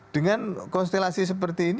dengan konstelasi seperti ini